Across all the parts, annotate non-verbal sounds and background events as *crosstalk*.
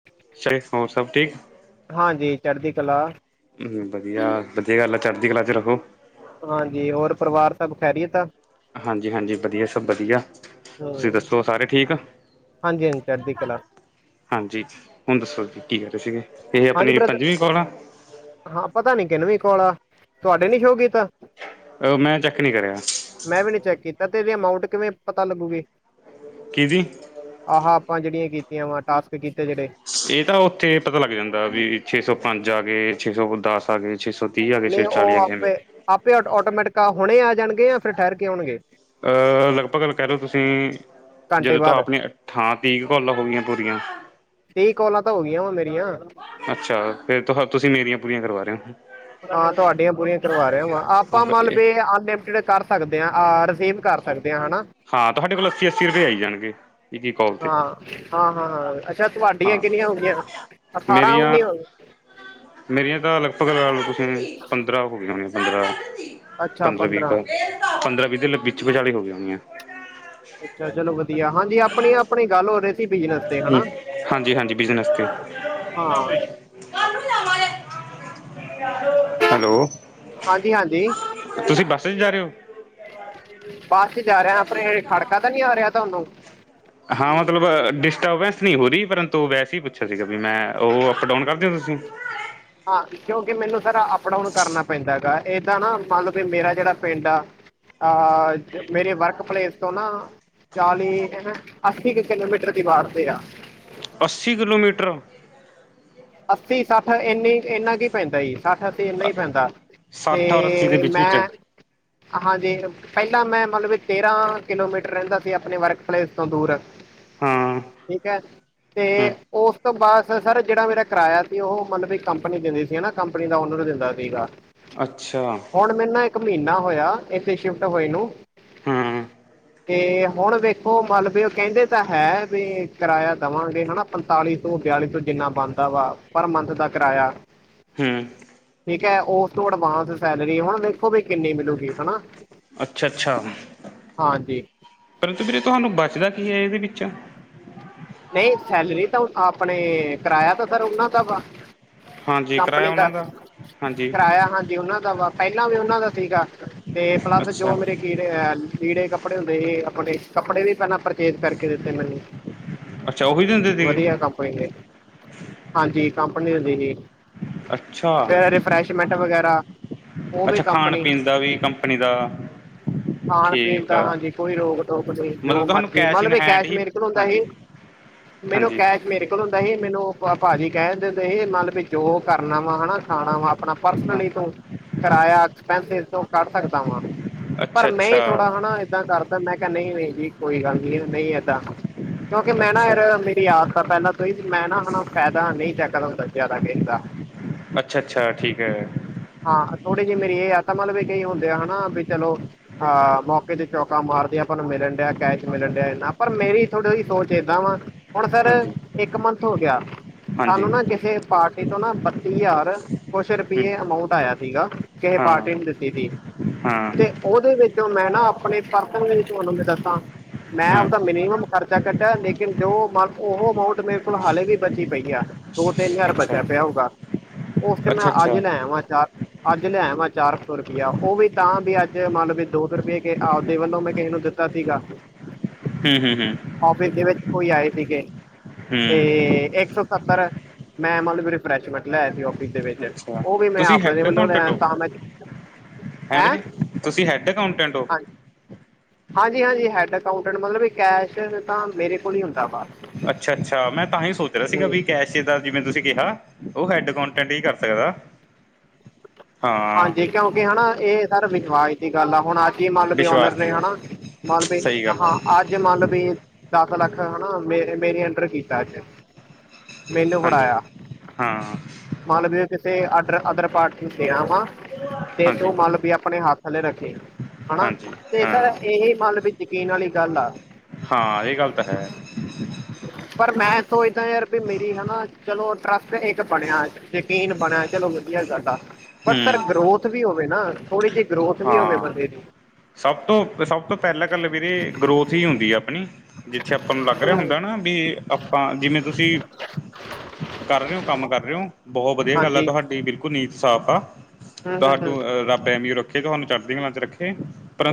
*inaudible* ਸ ਹੋਰ ਸਭ ਠੀਕ? ਹਾਂਜੀ ਚੜਦੀ ਕਲਾ। ਹੂੰ ਵਧੀਆ, ਵਧੀਆ ਗੱਲ ਆ ਚੜਦੀ ਕਲਾ 'ਚ ਰਹੋ। ਹਾਂਜੀ ਹੋਰ ਪਰਿਵਾਰ ਸਭ ਖੈਰੀਅਤ ਆ? ਹਾਂਜੀ-ਹਾਂਜੀ ਵਧੀਆ ਸਭ ਵਧੀਆ, ਤੁਸੀਂ ਦੱਸੋ ਸਾਰੇ ਠੀਕ। ਹਾਂਜੀ-ਹਾਂਜੀ ਚੜਦੀ ਕਲਾ। ਹਾਂਜੀ ਹੁਣ ਦੱਸੋ ਜੀ ਕੀ ਕੈ ਰੇ ਸੀਗੇ, ਇਹ ਹਾਂਜੀ ਆਪਣੀ ਬ੍ਰਦਰ ਪੰਜਵੀਂ ਕੋਲ ਆ? ਹਾਂ ਪਤਾ ਨੀ ਕਿਨਵੀ ਕੋਲ ਆ, ਤੁਹਾਡੇ ਨੀ ਸ਼ੋ ਕੀਤਾ। ਅ ਮੈਂ ਚੈੱਕ ਨੀ ਕਰਿਆ। ਮੈਂ ਵੀ ਨੀ ਚੈੱਕ ਕੀਤਾ 'ਤੇ ਏਦੀ ਅਮਾਊਟ ਕਿਵੇਂ ਪਤਾ ਲੱਗੂਗੀ? ਕਿਦੀ? ਆਹ ਆਪਾਂ ਜੇੜੀਆਂ ਕੀਤੀਆਂ ਵਾ ਟਾਸਕ ਕੀਤੇ ਜੇੜੇ। ਏ ਤਾਂ ਉੱਥੇ ਪਤਾ ਲੱਗ ਜਾਂਦਾ ਵੀ ਛੇ ਸੌ ਪੰਜ ਆਗੇ, ਛੇ ਸੌ ਦਸ ਆਗੇ ਛੇ ਸੌ ਤੀਹ ਆ ਗਏ ਨਈ ਛੇ ਸੌ ਓ ਚਾਲੀ ਆ ਗਏ ਐਵੇਂ ਆਪੇ, ਆਪੇ ਓਟੋ ਓਟੋਮੈਟਿਕ ਹੁਣੇ ਆ ਜਾਣਗੇ ਜਾਂ ਫਿਰ ਠੈਰ ਕੇ ਆਉਣਗੇ। ਅ ਲਗਭਗ ਗੱਲ ਕੈ ਲੋ ਤੁਸੀਂ ਘੰਟੇ ਜਦੋਂ ਤਾਂ ਬਾਅਦ ਆਪਣੇ ਹਾਂ ਤੀ ਕ ਕੋਲਾ ਹੋਗੀਆਂ ਪੂਰੀਆਂ। ਤੀ ਕੋਲਾਂ ਤਾਂ ਹੋਗੀਆਂ ਹੁਣ ਮੇਰੀਆਂ। ਅੱਛਾ ਫਿਰ ਤੁਹਾ ਤੁਸੀਂ ਮੇਰੀਆਂ ਪੂਰੀਆਂ ਕਰਵਾ ਰੇ ਓ। ਹਾਂ ਤੁਹਾਡੀਆਂ ਪੂਰੀਆਂ ਕਰਵਾ ਰੇਆ ਵਾ ਹਾਂ ਆਪਾਂ ਮਲ ਵਧੀਆ ਬੀ ਅਨਲਿਮਟਡ ਕਰ ਸਕਦੇ ਆ, ਆ ਰਸੀਵ ਕਰ ਸਕਦੇ ਆ ਹਨਾ। ਹਾਂ ਤੁਹਾਡੇ ਕੋਲ ਅੱਸੀ-ਅੱਸੀ ਰੁਪਏ ਆਈ ਜਾਣਗੇ, ਇੱਕ-ਇੱਕ ਕਾਲ 'ਤੇ। ਹਾਂ-ਹਾਂ-ਹਾਂ ਅੱਛਾ ਤੁਹਾਡੀਆਂ ਹਾਂ ਕਿੰਨੀਆਂ ਹੋਗੀਆਂ, ਮੇਰੀਆਂ ਅਠਾਰਾਂ-ਉਨੀਂ। ਮੇਰੀਆਂ ਤਾਂ ਲਗਭਗ ਲਾ ਲੋ ਤੁਸੀਂ ਪੰਦਰਾਂ ਹੋਗੀਆਂ ਹੋਣੀਆਂ ਪੰਦਰਾਂ ਅੱਛਾ ਪੰਦਰਾਂ-ਵੀਹ ਕ ਪੰਦਰਾਂ-ਵੀਹ ਦੇ ਲ ਵਿੱਚ ਵਿਚਾਲੇ ਈ ਹੋਗੀਆ ਹੋਣੀਆਂ। ਅੱਛਾ ਚਲੋ ਵਧੀਆ ਹਾਂਜੀ ਆਪਣੀ-ਆਪਣੀ ਗੱਲ ਹੋ ਰੇ ਹੂੰ ਹਾਂਜੀ-ਹਾਂਜੀ ਬਿਜ਼ਨਸ 'ਤੇ। ਹਾਂ ਹੈਲੋ ਹਾਂਜੀ-ਹਾਂਜੀ। ਤੁਸੀਂ ਬੱਸ 'ਚ ਜਾ ਰੇ ਓ? ਬੱਸ 'ਚ ਜਾ ਰੇਆ ਆਪਣੇ ਖੜਕਾ ਤਾਂ ਨੀ ਆ ਰੇਆ ਤੁਹਾਨੂੰ। ਹਾਂ ਮਤਲਬ ਡਿਸਟਰਬੈਂਸ ਨੀ ਹੋਰੀ ਪਰੰਤੂ ਵੈਸੇ ਈ ਪੁੱਛਿਆ ਸੀਗਾ ਵੀ ਮੈਂ ਓ ਅਪ-ਡਾਊਨ ਕਰਦੇ ਓ ਤੁਸੀਂ? ਹਾਂ ਕਿਉਂਕਿ ਮੈਨੂੰ ਸਰ ਅਪ-ਡਾਊਨ ਕਰਨਾ ਪੈਂਦਾ ਹੈਗਾ ਏਦਾਂ ਨਾ ਮੰਨ ਲੋ ਵੀ ਮੇਰਾ ਜੇੜਾ ਪਿੰਡ ਆ ਆਹ ਮੇਰੇ ਵਰਕ ਪਲੇਸ ਤੋਂ ਨਾ ਚਾਲੀ, ਅੱਸੀ ਕ ਕਿਲੋਮੀਟਰ ਦੀ ਵਾੜ 'ਤੇ ਆ। ਅੱਸੀ ਕਿਲੋਮੀਟਰ। ਅੱਸੀ-ਸੱਠ ਏਨੀ ਇੰਨਾ ਕੀ ਪੈਂਦਾ ਈ। ਸੱਠ-ਅੱਸੀ ਏਨਾ ਈ ਪੈਂਦਾ ਸੱਠ ਔਰ ਅੱਸੀ ਦੇ 'ਤੇ ਵਿੱਚ ਵਿੱਚ ਮੈਂ, ਹਾਂਜੀ। ਪਹਿਲਾਂ ਮੈਂ ਮੰਨ ਲੋ ਵੀ ਤੇਰਾਂ ਕਿਲੋਮੀਟਰ ਰੈਂਦਾ ਸੀ ਆਪਣੇ ਵਰਕ ਪਲੇਸ ਤੋਂ ਦੂਰ ਹਾਂ ਠੀਕ ਐ 'ਤੇ ਹੂੰ ਉਸ ਤੋਂ ਬਾਅਦ ਸ ਸਰ ਜੇੜਾ ਮੇਰਾ ਕਰਾਇਆ ਸੀ ਉਹ ਮੰਨ ਲੋ ਵੀ ਕੰਪਨੀ ਦਿੰਦੀ ਸੀ ਨਾ, ਕੰਪਨੀ ਦਾ ਓਨਰ ਦਿੰਦਾ ਸੀਗਾ। ਅੱਛਾ। ਹੁਣ ਮੈਨੂੰ ਨਾ ਇੱਕ ਮ੍ਹੀਨਾ ਹੋਇਆ ਇੱਥੇ ਸ਼ਿਫਟ ਹੋਏ ਨੂੰ, ਹੂੰ ਤੇ ਹੁਣ ਵੇ ਖੋ ਮਲ ਵੀ ਓ ਕੈਂਦੇ ਤਾਂ ਹੈ ਵੀ ਕਰਾਇਆ ਦੇਵਾਂਗੇ ਹਨਾ ਪੰਤਾਲੀ ਸੌ, ਬਿਆਲੀ ਸੌ ਜਿੰਨਾ ਬਣ ਦਾ ਵਾ ਪਰ ਮੰਥ ਦਾ ਕਰਾਇਆ। ਹਮ ਠੀਕ ਐ ਉਸ ਤੋਂ ਅਡਵਾਂਸ ਸੈਲਰੀ ਹੁਣ ਵੇਖੋ ਵੀ ਕਿੰਨੀ ਮਿਲੂਗੀ ਹਨਾ। ਅੱਛਾ ਅੱਛਾ, ਹਾਂਜੀ ਪਰੰਤੂ ਵੀਰੇ ਤੁਹਾਨੂੰ ਬਚਦਾ ਕੀ ਐ ਇਹਦੇ ਵਿੱਚ। ਨਹੀਂ ਸੈਲਰੀ ਤਾਂ ਆਪਣੇ ਕਿਰਾਇਆ ਤਾਂ ਸਰ ਉਹਨਾਂ ਦਾ ਵਾ ਹਾਂਜੀ ਕਿਰਾਇਆ ਕੰਪਨੀ ਦਾ ਉਹਨਾਂ ਹਾਂਜੀ ਕਰਾਇਆ ਹਾਜ ਉਹਨਾਂ ਦਾ ਵਾ ਪਹਿਲਾਂ ਵੀ ਉਹਨਾਂ ਦਾ ਸੀਗਾ ਤੇ ਪਲੱਸ ਅੱਛਾ ਜੋ ਮੇਰੇ ਕੀੜੇ ਅਹ ਲੀੜੇ- ਕੱਪੜੇ ਹੁੰਦੇ ਹੀ ਆਪਣੇ ਕੱਪੜੇ ਵੀ ਪਹਿਲਾਂ ਪਰਚੇਜ ਕਰਕੇ ਦਿੱਤੇ ਮੈਨੂੰ। ਅੱਛਾ ਉਵੀ ਦਿੰਦੇ। ਸੀਗੇ ਵਧੀਆ ਕੰਪਨੀ ਦੇ, ਹਾਂਜੀ ਕੰਪਨੀ ਦੇਦੀ ਜੀ। ਅੱਛਾ ਫਰੇ ਫਰੈਸ਼ਮੈਟ ਵਗੈਰਾ। ਉਹ ਵੀ ਅੱਛਾ ਕੰਪਨੀ ਖਾਣ-ਪੀਣ ਦਾ ਵੀ ਕੰਪਨੀ ਦਾ। ਖਾਣ- ਪੀਣ ਠੀਕ ਦਾ ਆ ਹਾਂਜੀ ਕੋਈ ਰੋਕ -ਟੋਕ ਨੀ ਮਤਲਬ ਜੋ ਤੁਹਾਨੂੰ ਮਰਜੀ, ਇਨ ਮੰਤਲਬ ਇਹ ਹੈਂਡ ਕੈਸ਼ ਹੀ ਮੇਰੇ ਕੋਲ ਹੁਦਾ ਹਾਂਜੀ ਹੀ ਮੈਨੂੰ ਹਾਂਜੀ ਕੈਸ਼ ਮੇਰੇ ਕੋਲ ਹੁੰਦਾ ਹੀ, ਮੈਨੂੰ ਭਾਜੀ ਕਹਿਣ ਦਿੰਦੇ ਹੀ ਮੰਨਲਬ ਵੀ ਜੋ ਕਰਨਾ ਵਾ ਹਨਾ ਖਾਣਾ ਵਾ ਆਪਣਾ ਪਰਸ ਹਾਂ ਲਈ ਤੂ ਕਿਰਾਇਆ ਐਕਸਪੈਂਸ ਤੋਂ ਕੱਢ ਸਕਦਾ ਵਾਂ, ਅੱਛਾ ਪਰ ਅੱਛਾ ਮੈਂ ਥੋੜਾ ਹਨਾ। ਇਏਦਾਂ ਕਰਦਾ ਹੁਨਾ ਕਿ ਨਈ- ਨਈ ਜੀ ਕੋਈ ਗੱਲ ਨੀ ਨਹੀਂ ਏਦਾਂ, ਕਿਉਂਕਿ ਮੈਂ ਨਾ ਅੱਛਾ ਯਾਰ ਮੇਰੀ ਆਯਤ ਤਾਂ ਪਹਿਲਾਂ ਤੋਂ ਈ ਮੈਂ ਨਾ ਹੁਣਾ ਫਾਇਦਾ ਨਹੀਂ ਚੈੱਕਦਾ ਹੁੰਦਾ ਜ਼ਿਆਦਾ ਕਿਸੇ ਦਾ। ਅੱਛਾ ਅੱਛਾ ਠੀਕ ਐ। ਹਾਂ ਥੋੜੀ ਜਿਹੀ ਮੇਰੀ ਇਹ ਆਦਤ ਤਾਂ ਮਤਲਬ ਵੀ ਕਈ ਹੁੰਦੇ ਆ ਹਨਾ ਵੀ ਚਲੋ ਹਾਂ ਮੌਕੇ ਤੇ ਚੌਕਾਂ ਮਾਰਦੇ ਆ ਆਪਾਂ ਨੂੰ ਮਿਲਣ ਡਿਆ ਕੈਸ਼ ਮਿਲਣ ਡਿਆ ਇਨਾ, ਪਰ ਮੇਰੀ ਥੋੜ੍ਹੀ ਜਹੀ ਸੋਚ ਏਦਾਂ ਵਾ ਹੁਣ ਸਰ ਹਾਂਜੀ ਇੱਕ ਮੰਥ ਹੋ ਗਿਆ, ਹਾਂਜੀ ਸਾਨੂੰ ਨਾ ਕਿਸੇ ਪਾਰਟੀ ਨਾ ਬੱਤੀ ਹਜ਼ਾਰ ਕੁਛ ਹੂੰ ਰੁਪਈਏ ਅਮਾਊਂਟ ਆਇਆ ਸੀਗਾ। ਕ ਹਾਂ ਪਾਟੀ ਨੂੰ ਦਿਤੀਦੀ ਹਾਂ ਕਿ ਉਹਦੇ ਵਿੱਚੋ ਮੈਂ ਨਾ ਆਪਣੇ ਪਰਸਨ ਵਿੱਚ ਤੁਹਾਨੂੰ ਮੈਂ ਦੱਸਾਂ ਮੈਂ ਹਾਂ ਉਹਦਾ ਮਿਨੀਮਮ ਖਰਚਾ ਕੱਟਿਆ ਲੇਕਿਨ ਤੇ ਉਹ ਮ ਉਹ ਅਮਾਊਂਟ ਮੇਰੇ ਕੋਲ ਹਾਲੇ ਵੀ ਬਚੀ ਪਈ ਆ, ਦੋ -ਤਿੰਨ ਹਜ਼ਾਰ ਅੱਛਾ ਬਚਿਆ ਪਿਆ ਹੋਊਗਾ। ਉਸ ਤੇ ਅੱਛਾ ਮੈਂ ਅੱਛਾ ਅਜ ਲੈ ਹੂੰ ਆਵਾਂ ਚਾਰ। ਅੱਜ ਲਿਆਇਆਂ ਵਾ ਚਾਰ ਸੌ ਰੁਪਇਆ, ਉਹ ਵੀ ਤਾਂ ਵੀ ਅੱਜ ਮੰਨ ਲ ਵੀ ਦੋ ਸੋ ਰੁਪਈਏ ਆਪਦੇ ਵੱਲੋਂ ਮੈਂ ਕਿਸੇ ਨੂੰ ਦਿੱਤਾ। ਸੀਗਾ। ਹਮ ਹਮ ਹਮ। ਆਫਿਸ ਦੇ ਵਿੱਚ ਕੋਈ ਆਏ ਸੀਗੇ, ਤੇ ਹੂੰ ਇੱਕ ਸੰਤਰ ਮੈਂ ਮਤਲਬ ਰਿਫਰੈਸ਼ਮੈਂਟ ਲੈ ਸੀ ਔਫਿਸ ਦੇ ਵਿੱਚ। ਅੱਛਾ ਉਹ ਵੀ ਮੈਂ ਤੁਸੀਂ ਆਪਣੇ ਹੈਡ ਵਲੋਂ ਅਕਾਊਂਟੈਂਟ ਲੈ ਹੋ ਤਾਂ ਮੈਂ ਹੈਂ। ਤੁਸੀਂ ਹੈੱਡ ਅਕਾਊਂਟੈਂਟ ਔ। ਹਾਂਜੀ ਹਾਂਜੀ ਹਾਂਜੀ ਹੈਡ- ਅਕਾਊਂਟੈਂਟ ਮਤਲਬ ਕੈਸ਼ ਤਾਂ ਮੇਰੇ ਕੋਲ ਈ ਹੁੰਦਾ ਵਾ। ਅੱਛਾ ਅੱਛਾ ਮੈਂ ਤਾਂ ਹੀ ਸੋਚ ਰਿਹਾ ਸੀਗਾ ਹੂੰ ਵੀ ਕੈਸ਼ ਦਾ ਜਿਵੇਂ ਤੁਸੀਂ ਕਿਹਾ, ਉਹ ਹੈਡ- ਅਕਾਂਟ ਡੀ ਕਰ ਸਕਦਾ। ਹਾਂ ਹਾਂਜੀ, ਕਿਉਂਕਿ ਹਨਾ ਇਹ ਸਰ ਵਿਸ਼ਵਾਸ ਦੀ ਗੱਲ ਆ ਹੁਣ ਅੱਜ। ਜ ਮੰਨ ਲਬ ਵਿਸ਼ਵਾਸ ਓਨਰ ਨੇ ਦੀ ਹੈਾ ਗੱਲ ਮੰ ਲਬ ਸਹੀ ਗੱਲ ਆ ਹਾਂ ਅੱਜ ਅਜ ਮੰਨ ਲ ਵੀ ਦਸ ਲੱਖ ਹਨਾ ਮੇ ਮੇਰੇ ਅੰਡਰ ਕੀਤਾ ਅੱਜ ਮੈਨੂੰ ਹਾਂਜੀ ਫੜਾਇਆ ਹਾਂ। ਮਲ ਵੀ ਕਿਸੇ ਅਡ ਅਦਰ ਪਾਰਟੀ ਨੂੰ ਦੇਣਾ ਵਾ ਤੇ ਹਾਂਜੀ ਤੂੰ ਮਲ ਵੀ ਆਪਣੇ ਹੱਥ ਥੱਲੇ ਰੱਖੇ, ਹਨਾ ਹਾਂਜੀ ਤੇ ਹਾਂ ਸਰ ਇਹੀ ਮੰਨ ਵੀ ਯਕੀਨ ਵਾਲੀ ਗੱਲ ਆ ਹਾਂ ਇਹ ਗੱਲ ਤਾਂ ਹੈ। ਪਰ ਮੈਂ ਸੋਚਦਾ ਯਾਰ ਪੀ ਮੇਰੀ ਹਨਾ, ਚਲੋ ਟਰੱਸਟ ਇੱਕ ਬਣਿਆਂ। ਯਕੀਨ ਬਣਿਆ ਚਲੋ ਵਧੀਆ ਗੱਲ ਆ, ਪਰ ਸਰ ਹੂੰ ਗਰੋਥ ਵੀ ਹੋਵੇ ਨਾ। ਥੋੜ੍ਹੀ ਜਿ ਗਰੋਥ ਵੀ ਹੋਵੇ ਹਾਂ ਬੰਦੇ ਦੀ। ਸਭ ਤੋਂ, ਸਭ ਤੋਂ ਪਹਿਲਾਂ ਗੱਲ ਵੀਰੇ ਗਰੋਥ ਈ ਹੁੰਦੀਂ ਆ ਆਪਣੀਂ। ਜਿੱਥੇ ਆਪਾਂ ਨੂੰ ਲੱਗ ਰਿਆ ਹੁੰਦਾ ਨਾ ਬੀ ਆਪਾਂ ਜਿਵੇਂ ਤੁਸੀਂ ਕਰ ਰੇ ਔ ਕੰਮ ਕਰ ਰੇ ਔ, ਬਹੁਤ ਵਧੀਆਂ ਗੱਲ਼ ਹੈ ਹਾਂਜੀ ਤੁਹਾਡੀ ਬਿਲਕ ਨੀਤ ਸਾਫ਼ ਆ, ਹੂੰ ਹੂੰ ਹੂੰ ਤੁਹਾਂਨੂੰ ਅ ਰੱਬ ਐਮੇ ਰੱਖੇਂ ਤੁਹਾਂਨੂੰ ਚੜ੍ਹਦੀ ਕਲਾਂ ਚ ਰੱਖੇ।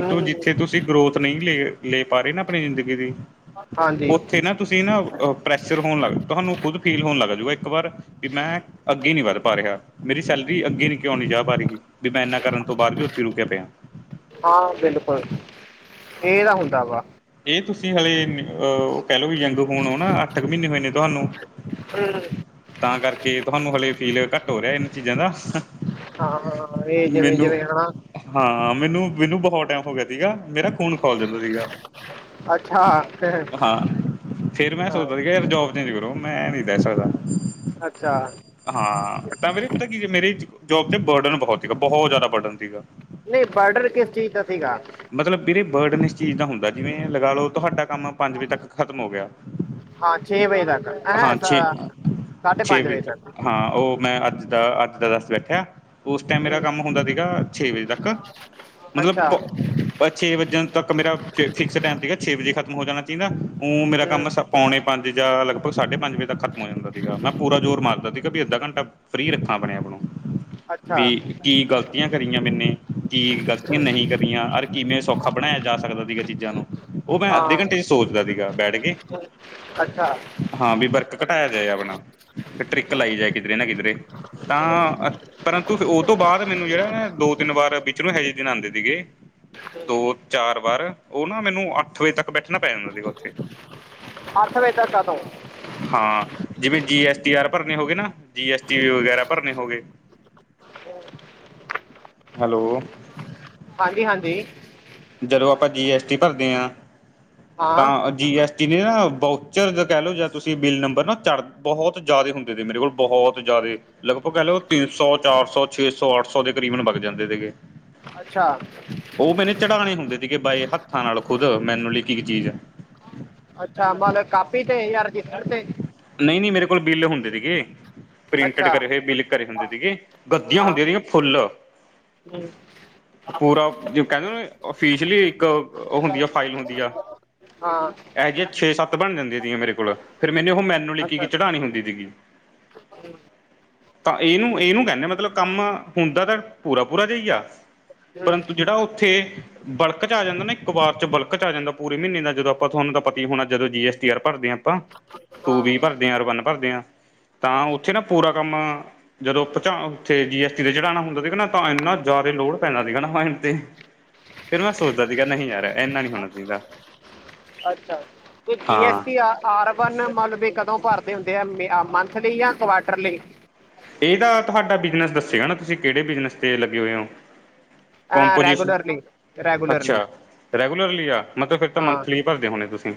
ਹੂੰ ਹੂੰ ਜਿੱਥੇ ਤੁਸੀਂ ਗਰੋਥ ਨਹੀਂ ਲੇ- ਲੇ ਪਾ ਰਹੇਂ ਨਾ ਆਪਣੀਂ ਜ਼ਿੰਦਗੀ ਦੀ ਹਾਂਜੀ ਉੱਥੇ ਨਾ ਤੁਸੀਂ ਨਾ ਪ੍ਰੈਸ਼ਰ ਹੋਣ ਲੱਗ, ਤੁਹਾਂਨੂੰ ਖੁਦ ਫੀਲ ਹੋਣ ਲੱਗਜੂਗਾ ਇੱਕ ਵਾਰ ਬੀ ਮੈਂ ਅੱਗੇ ਨੀਂ ਵੱਧ ਪਾ ਰਿਹਾ, ਮੇਰੀ ਸੈਲਰੀ ਅੱਗੇ ਵੀ ਕਿਉਂ ਨੀਂ ਜਾ ਪਾ ਰਹੀ, ਬੀ ਮੈਂ ਏਨਾਂ ਕਰਨ ਤੋਂ ਬਾਅਦ ਵੀ ਚ ਰੁਕਿਆ ਪਿਆ। ਹਾਂ ਬਿਲਕੁਲ, ਏ ਤਾਂ ਹੁੰਦਾ ਵਾ। ਏ ਤੁਸੀਂ ਹਾਲੇ ਅਹ ਕਹਿ ਲਓ ਵੀ ਯੰਗ ਹੋਣ ਹੋ ਨਾ, ਅੱਠ ਕੁ ਮਹੀਨੇ ਹੋਏ ਨੇ ਤੁਹਾਂਨੂੰ। *unintelligible* ਤਾਂ ਕਰਕੇ ਤੁਹਾਂਨੂੰ ਹਲੇੇ ਫੀਲ ਘੱਟ ਹੋ ਰਿਹਾਂ, ਇਹਨਾਂ ਚੀਜ਼ਾਂ ਦਾ। ਹਾਂ, ਇਹ ਜਿਵੇਂ- ਮੈਨੂੰ ਜਿਵੇਂ ਹਨਾ। ਹਾਂ ਮੈਨੂੰ- ਮੈਨੂੰ ਬਹੁਤ ਟਾਇਮ ਹੋ ਗਿਆਂ ਸੀਗਾ, ਮੇਰਾ ਖ਼ੂਨ ਖੋਲ ਜਾਦਾ। ਸੀਗਾ, ਅੱਛਾ ਹਾਂ। ਫੇਰ ਮੈਂ ਹਾਂ, ਸੋਚਦਾ ਕਿ ਯਾਰ ਜੋਬ ਚੇਂਜ ਕਰੋ ਮੈਂ ਐਵੇਂ ਨੀ ਰਹਿ ਸਕਦਾਂ। ਅੱਛਾ। ਹਾਂ ਤਾਂ ਵੀਰੇ ਪਤਾਂ ਕੀ ਮੇਰੀ ਜੋਬ ਚ ਬਰਡਨ ਬਹੁਤ ਸੀਗਾ ਬਹੁਤ ਜ਼ਿਆਦਾ ਬਰਡਨ ਸੀਗਾ। ਨਹੀਂ, ਬਾਡਰ ਕਿਸ ਚੀਜ਼ ਦਾ ਸੀਗਾ। ਮਤਲਬ ਵੀਰੇ ਬਰਡਨ ਇਸ ਚੀਜ਼ ਦਾ ਹੁੰਦਾ ਜਿਵੇਂ ਲਗਾ ਲਓ ਤੁਹਾਡਾ ਕੰਮ। ਪੰਜ ਵਜੇ ਤੱਕ ਖਤਮ ਹੋ ਗਿਆਂ, ਹਾਂ ਵਜੇ ਤੱਕ ਐ ਹਾਂ ਛੇ ਸਾਢੇ ਛੇ ਪੰਜ ਵਜੇ ਵਜ਼ੇ ਤੱਕ। ਹਾਂ, ਉਹ ਮੈਂ ਅੱਜ ਦਾ ਅੱਜ ਦਾ ਦੱਸ ਬੈਠਿਆ। ਉਸ ਟਾਇਮ ਮੇਰਾ ਹੂੰ, ਕੰਮ ਹੁੰਦਾ ਸੀਗਾ, ਛੇ ਵਜੇ ਤੱਕ ਮਤਲਬ ਅੱਛਾ ਪ ਬਹ ਛੇ ਵੱਜਣ ਤੱਕ ਮੇਰਾ ਫ ਫਿਕਸ ਟਾਇਮ ਸੀਗਾ, ਛੇ ਵਜ਼ੇ ਖਤਮ ਹੋ ਜਾਣਾਂ ਚਾਹੀਂਦਾ। ਓ ਮੇਰਾ ਹੂੰ, ਕੰਮ ਸਭ ਪਉਣੇ ਪੰਜ ਜਾਂ ਲਗਭਗ ਸਾਢੇ ਪੰਜ ਵਜੇ ਤੱਕ ਖ਼ਤਮ ਹੋ ਜਾਂਦਾ ਸੀਗਾ। ਮੈਂ ਪੂਰਾ ਜ਼ੋਰ ਮਾਰਦਾ ਸੀਗਾ ਬੀ ਅੱਧਾ ਘੰਟਾ ਫਰੀ ਰੱਖਾ ਆਪਣੇਂ ਆਪ ਨੂੰ। ਅੱਛਾ ਬੀ ਕੀ ਗ਼ਲਤੀਆਂ ਕਰੀਆਂ ਮੈਨੇ ਕੀ ਗ਼ਲਤੀਆਂ ਨਹੀਂ ਕ ਤੀਆਂ ਅਰ ਕਿਵੇਂ ਸੌਖਾਂ ਬਣਾਇਆਂ ਜਾਂ ਸਕਦਾਂ ਸੀਗਾ ਚੀਜ਼ਾਂ ਨੂੰ। ਔ ਮੈ ਹਾਂ ਅੱਧੇ ਘੰਟੇ'ਚ ਸੋਚਦਾਂ ਸੀਗਾ ਬੈਠ ਕੇ। ਹੂੰ, ਅੱਛਾ ਹਾਂ ਵੀ ਵਰਕ ਘਟਾਇਆ ਜਾਏਂ ਆਪਣਾਂ, ਤੇ ਟ੍ਰਿਕ ਲਾਈ ਜਾਏ ਕਿਧਰੇ ਨਾ ਕਿਧਰੇ। ਤਾਂ ਪਰੰਤੂ, ਫ਼ਿਰ ਉਹ ਤੋਂ ਬਾਅਦ ਮੈਂਨੂੰ ਜਿਹੜਾ ਨਾ ਦੋ ਤਿੰਨ ਵਾਰ ਵਿੱਚ ਅਹੇ ਜੇ ਦਿਨ ਆਂਦੇ ਸੀਗੇ। ਦੋ-ਚਾਰ ਵਾਰ, ਉਹ ਨਾ ਮੈਨੂੰ ਅੱਠ ਵਜੇ ਤੱਕ ਕੀ ਬੈਠਣਾ ਪੈ ਜਾਂਦਾ ਸੀਗਾ ਔਥੇ। ਵਜੇ ਤੱਕ ਕਦੋਂ ਹਾਂ, ਜਿਵੇਂ ਜੀਐਸਟੀ ਆਰ ਭਰਨੇ ਹੋ ਗੇ ਨਾ, ਜੀਐਸਟੀ ਵਗੈਰਾ ਭਰਨੇ ਹੋ ਗੇ। ਹੈਲੋ। ਹਾਂਜੀ-ਹਾਂਜੀ। ਜਦੋਂ ਆਪਾਂ ਜੀਐਸਟੀ ਭਰਦੇ ਆਂ ਹਾਂ ਤਾਂ ਜੀਐਸਟੀ ਨੇ ਨਾ ਬਾਊਚਰ ਦਾ ਕਹਿ ਲਓ ਜਾਂ ਤੁਸੀਂ ਬਿੱਲ ਨੰਬਰ ਨਾ ਚੜ ਬਹੁਤ ਜ਼ਿਆਦੇ ਹੁੰਦੇ ਨੇ ਮੇਰੇ ਕੋਲ ਬਹੁਤ ਜ਼ਿਆਦੇ ਲਗਭਗ ਕਹਿਲੋ ਤਿੰਨ ਸੌ, ਚਾਰ ਸੌ, ਛੇ ਸੌ, ਅੱਠ ਸੌ ਦੇ ਕਰੀਬਨ ਬਗ ਜਾਂਦੇ ਸੀਗੇ। ਅੱਛਾ। ਉਹ ਮੈਂਨੇ ਚੜਾਣੇ ਹੁੰਦੇ ਸੀਗੇ, ਬਾਏ ਹੱਥਾਂ ਨਾਲ਼ ਖੁਦ ਮੈਨੂੰਯਲੀ ਇੱਕ-ਇੱਕ ਚੀਜ਼। ਅੱਛਾ, ਮਤਲਬ ਕਾਪੀ ਤੇ ਯਾ ਰਜਿਸਟਰ ਤੇ। ਨਈ-ਨਈ, ਮੇਰੇ ਕੋਲ ਬਿੱਲ ਹੁੰਦੇ ਸੀਗੇ। ਪ੍ਰਿੰਟੇਡ ਅੱਛਾ ਕਰੇ ਹੋਏ ਬਿਲ ਕਰੇ ਹੁੰਦੇ ਸੀਗੇ। ਗੱਤੀਆਂ ਹਾਂ ਹੁੰਦੀਆਂ ਸੀਗੀਆਂ ਫੁੱਲ। ਹੂੰ, ਪੂਰਾ ਜੋ ਕੈਹੰਦੇ ਨੇਨਾ ਔਫੀਸ਼ਲੀ ਇੱਕ ਓ ਹੁੰਦੀ ਆ, ਫਾਈਲ ਹੁੰਦੀ ਆ। ਹਾਂ ਇਹੋ ਜਿਆਂ ਛੇ-ਸੱਤ ਬਣ ਜਾਂਦੀਆਂ ਸੀਗੀਆਂ ਮੇਰੇ ਕੋਲ, ਫੇਰ ਮੈਨੂੰ ਓਹ ਮੈਨੂੰਅਲੀ ਇੱਕ-ਇੱਕ ਅੱਛਾ ਚੜ੍ਹਾਣੀ ਹੁੰਦੀ ਸੀਗੀ। *inaudible* ਤਾਂ ਏਹਨੂੰ-ਏਹਨੂੰ ਕੈਹੰਦੇ ਮਤਲਬ ਕੰਮ, ਹੁੰਦਾ ਤਾਂ ਪੂਰਾ-ਪੂਰਾ ਜੇਹਾਈ ਆ। ਹੂੰ ਪਰੰਤੂ ਜੇਹੜਾ ਓੱਥੇ ਬਲਕ'ਚ ਆ ਜਾਂਦਾ ਨਾ ਇੱਕ ਵਾਰ'ਚ ਬਲਕ'ਚ ਆ ਜਾਂਦਾ ਨਾ ਪੂਰੇ ਮਹੀਨੇ ਦਾ, ਜਦੋਂ ਆਪਾਂ ਤੁਹਾਨੂੰ ਤਾਂ ਪਤਾ ਈ ਹੋਣਾ ਜਦੋਂ ਜੀ ਐਸ ਟੀ ਆਰ ਭਰਦੇਆਂ ਆਪਾਂ ਟੂ ਬੀ ਭਰਦੇ ਆਓ ਆਰ ਵੰਨ ਭਰਦੇਆਂ ਤਾਂ ਓੱਥੇ ਨਾ ਪੂਰਾ ਕੰਮ ਜਦੋਂ ਪਚਾ੍ਹ ਉੱਥੇ ਜੀ ਐਸ ਟੀ ਤੇ ਚੜਾਣਾ ਹੁੰਦਾ ਸੀਗਾ ਨਾ ਤਾਂ ਇੰਨਾ ਜ਼ਿਆਦਾ ਲੋੜ ਪੈਂਨਾਂ ਸੀਗਾ ਨਾ ਮਾਇੰਡ ਤੇ ਫੇਰ, ਮੈਂ ਸੋਚਦਾ ਸੀਗਾ ਨਹੀਂ ਯਾਰ ਇੰਨਾ ਨੀ ਹੋਣਾ ਚਾਈਦਾ। ਅੱਛਾ, ਤੇ ਜੀ ਐਸ ਹਾਂ ਟੀ ਆ ਆਰਬਨ ਮੱਤਲਵ ਵੀ ਕਦੋਂ ਭਰਦੇ ਹੁੰਦੇ ਐ, ਮੇ ਅ ਮੰਥਲੀ ਯਾ ਕੁਆਟਰਲੀ? ਏਹ ਤਾਂ ਤੁਹਾਡਾ ਬਿਜਨੇਸ ਦੱਸੇਗਾ ਨਾ ਤੁਸੀਂ ਕੇਹੜੇ ਬਿਜਨਸ'ਤੇ ਲੱਗੇ ਹੋਏ ਔ। ਕੋਮਪੋਜੀਸ਼ਨ, ਰੈਗੂਲਰਲੀ ਰੈਗੂਲਰਲੀ ਅੱਛਾ ਰੈਗੂਲਰਲੀ ਆ ਮਤਲਬ ਫੇਰ ਤਾਂ ਹਾਂ ਮੰਥਲੀ ਭਰਦੇ ਹੋਣੇ ਤੁਸੀਂ।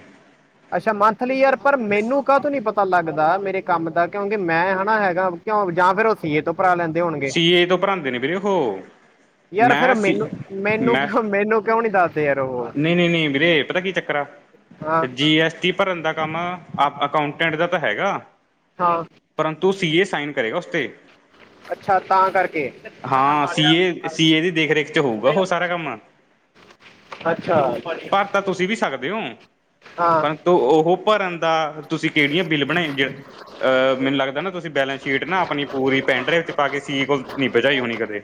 ਅੱਛਾ ਮੰਥਲੀ ਯਾਰ ਪਰ, ਮੈਨੂੰ ਕਾਹ ਤੋਂ ਨੀ ਪਤਾ ਲੱਗਦਾ ਮੇਰੇ ਕੰਮ ਦਾ ਕਿਉਂਕਿ ਮੈਂ ਹੈਨਾ ਹੈਗਾ ਕਿਉਂ ਜਾ ਫੇਰ ਓ ਸੀਏ ਤੋਂ ਭਰਾ ਲੈਂਦੇ ਹੋਨੇਂ। ਸੀ ਏ ਤੋਂ ਭੱਰਾਂਦੇ ਨੇ ਵੀਰੇ ਔਹੋ। ਯਾਰ ਫਿਰ ਮੈਂ ਸੀ, ਮੈਨੂੰ ਮੈਨੂੰ ਮੈਂ ਕਿਉਂ ਮੈਨੂੰ ਕਿਉਂ ਨਹੀਂ ਦੱਸਦੇ ਯਾਰ ਉਹ ਨਈ-ਨਈ ਨੀ ਵੀਰੇ, ਪਤਾ ਕੀ ਚੱਕਰ ਆ। ਹਾਂ ਤੇ ਜੀ ਐਸ ਟੀ ਭਰਨ ਦਾ ਕੰਮ ਅਕਾਉਂਟੈਂਟ ਦਾ ਤਾਂ ਹੈਗਾ। ਹਾਂ। ਪਰੰਤੂ ਸੀ ਏ ਸਾਈਨ ਕਰੇਗਾ ਉਸਤੇ। ਅੱਛਾ ਤਾਂ ਕਰਕੇ ਹਾਂ ਸੀ ਏ, ਸੀ ਏ ਦੀ ਦੇਖ-ਰੇਖ'ਚ ਹੋਊਗਾ ਔਹ ਸਾਰਾ ਕੰਮ। ਅੱਛਾ ਭਰਤਾਂ ਤੁਸੀਂ ਵੀ ਸਕਦੇ ਓ ਹਾਂ ਪਰੰਤੂ ਔਹ ਭਰਨ ਦਾ। ਤੁਸੀਂ ਕੇਹੜੀਆਂ ਬਿੱਲ ਬਣਾਈਂਗੇਅ, ਮੈਨੂੰ ਲੱਗਦਾ ਨਾ ਤੁਸੀਂ ਬੈਲੈਂਸ ਸ਼ੀਟ ਨਾ ਆਪਣੀ ਪੂਰੀ ਪੈਨ ਡਰਾਈਵ। ਤਾਂ ਕੇ ਸੀ ਏ ਕੋਲ ਨੀ ਭਜਾਈ ਹੋਣੀ ਕਦੇ।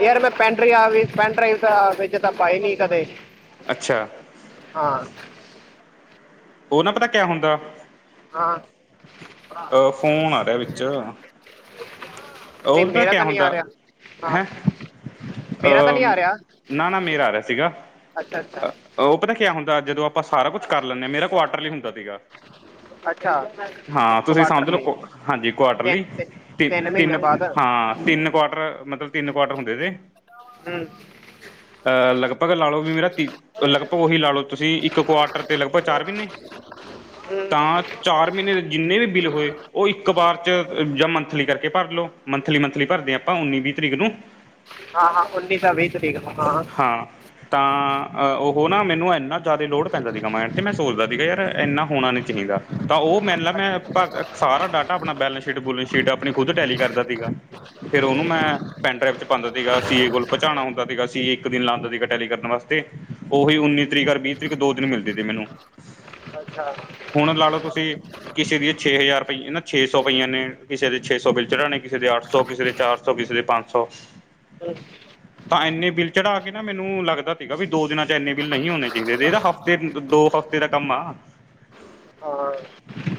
ਯਾਰ ਮੈਂ ਪੈਂਡਰੀ ਆ ਗਈ ਪੈਨ ਡਰਾਈਵ ਤਾਂ ਵਿੱਚ ਤਾਂ ਪਾਈ ਨੀ ਕਦੇ। ਅੱਛਾ। ਹਾਂ। ਓਹ ਨਾ ਪਤਾ ਕਿਆ ਹੁੰਦਾ, ਹਾਂ ਅਹ ਫੋਨ ਆ ਰੇਆ ਵਿੱਚ। *inaudible* ਓਹ ਪਤਾ ਕਿਆ ਤਾਂ ਨਹੀਂ ਹੁੰਦਾ, ਆ ਰਿਹਾ ਹਾਂ ਹੈਂ। ਮੇਰਾ ਤਾਂ ਨਹੀਂ ਅਹ, ਆ ਰਿਹਾ ਨਾ-ਨਾ ਮੇਰਾ ਆ ਰੇਹਾ ਸੀਗਾ, ਅੱਛਾ ਅੱਛਾ ਅਹ ਓ ਪਤਾ ਕਿਆ ਹੁੰਦਾ ਜਦੋਂ। ਆਪਾਂ ਸਾਰਾ ਕੁਛ ਕਰ ਲੈਂਣੇ ਆਂ ਮੇਰਾ ਕੁਆਟਰਲੀ ਹੁੰਦਾ ਸੀਗਾ। ਅੱਛਾ ਹਾਂ ਤੁਸੀਂ ਸਮਝ ਲਓ ਕੁਆਟਰਲੀ ਕੁ ਹਾਂਜੀ ਤਿ ਕੁਆਟਰਲੀ ਤਿ ਤੇ। ਤਿੰਨ ਮਹੀਨਿਆਂ ਬਾਅਦ ਹਾਂ ਤਿੰਨ ਕੁਆਟਰ ਮਤਲਬ ਤਿੰਨ ਕੁਆਟਰ ਹੁੰਦੇ ਇਦੇ। ਹੂੰ ਅ ਲਗਭਗ ਲਾ ਲਓ ਵੀ ਮੇਰਾ ਤੀ ਲਗਭਗ ਓਹੀ ਲਾ ਲਓ ਤੁਸੀਂ ਇੱਕ ਕੁਆਟਰ ਤੇ ਲਗਭਗ ਚਾਰ ਮਹੀਨੇ, ਹੂੰ ਤਾਂ ਚਾਰ ਮਹੀਨੇ ਦੇ ਜਿੰਨੇ ਵੀ ਬਿੱਲ ਹੋਏ ਓਹ ਇੱਕ ਵਾਰ 'ਚ ਯਾ ਮੰਥਲੀ ਕਰ ਕੇ ਭਰ ਲਓ ਮੰਥਲੀ-ਮੰਥਲੀ ਭਰਦੇ ਆਂ ਆਪਾਂ ਉੱਨੀ-ਵੀਹ ਤਰੀਕ ਨੂੰ। ਹਾਂ ਹਾਂ ਉੱਨੀ ਸ ਵੀਹ ਤਰੀਕ ਨੂ, ਹਾਂ ਤਾਂ ਉਹ ਨਾ ਮੈਨੂੰ ਇੰਨਾ ਜਿਆਦਾ ਲੋੜ ਪੈਂਦਾ ਸੀ ਮਾਇਡ ਤੇ ਮੈਂ ਸੋਚਦਾ ਸੀਗਾ ਯਾਰ ਇੰਨਾ ਹੋਣਾ ਨੀ ਚਾਹੀਦਾ, ਤਾਂ ਉਹ ਮੈਨ ਲ ਮੈਂ ਸਾਰਾ ਡਾਟਾ ਆਪਣਾੈਲੈਂਸ ਸ਼ੀਟ, ਬਲਗ ਸ਼ੀਟ ਖੁਦ ਟੈਲੀ ਕਰਦਾ ਸੀਗਾ, ਫ਼ਿਰ ਉਹਨੂੰ ਮੈਂ ਪੈਨ ਡਰਾਈਵ ਚ ਪਾਂਦਾ ਸੀਗਾ ਸੀਏ ਕੋਲ ਪਹਚਾਣਾ ਹੁੰਦਾ ਸੀਗਾ ਇੱਕ ਦਿਨ ਲਾਂਦਾ ਸੀਗਾ ਟੈਲੀ ਕਰਨ ਵਾਸਤੇ, ਉਹੀ ਉੱਨੀ ਤਰੀਕ, ਵੀਹ ਤਰੀਕ ਦੋ ਦਿਨ ਮਿਲਦੀ ਸੀ ਮੈਨੂੰ ਅੱਛਾ *inaudible* ਹੁਣ ਲਾ ਲਓ ਤੁਸੀਂ ਕਿਸੇ ਦੀਆਂ ਛੇ ਹਜ਼ਾਰ ਪਈ, ਛੇ ਸੌ ਪਈਆਂ ਨੇ ਕਿਸੇ ਦੇ ਛੇ ਸੌ ਵਿਚਣਾ ਨੇ ਕਿਸੇ ਦੇ ਅੱਠ ਸੌ, ਕਿਸੇ ਦੇ ਚਾਰ ਸੌ, ਕਿਸੇ ਦੇ ਪੰਜ ਸੌ ਅ ਤਾਂ ਇੰਨੇ ਬਿੱਲ ਚੜਾ ਕੇ ਨਾ ਮੈਨੂੰ ਲੱਗਦਾ ਸੀਗਾ ਵੀ ਦੋ ਦਿਨਾਂ ਚ ਇੰਨੇ ਬਿੱਲ ਨਹੀਂ ਹੋਣੇ ਚਾਹੀਦੇ, ਇਹਦਾ ਹਫ਼ਤੇ ਦੋ ਹਫ਼ਤੇ ਤੇਰਾ ਕੰਮ ਆ, ਹਾਂ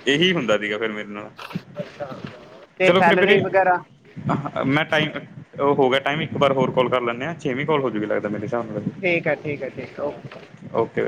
ਇਹੀ ਹੁੰਦਾ ਸੀਗਾ ਫਿਰ ਮੇਰੇ ਨਾਲ ਅੱਛਾ ਚਲੋ ਫਿਰ ਵੀਰੇ ਹ ਮੈਂ ਟਾਈਮ ਉਹ ਹੋ ਗਿਆ ਟਾਈਮ ਇੱਕ ਵਾਰ ਹੋਰ ਕੋਲ ਕਰ ਲੈਂਦੇ ਆ, ਛੇਵੀਂ ਕੋਲ ਹੋਜੂਗੀ ਲੱਗਦਾ ਮੇਰੇ ਹਿਸਾਬ ਨਾਲ ਠੀਕ ਐ, ਠੀਕ ਐ ਠੀਕ ਓਕੇਕੇ ਓਕੇ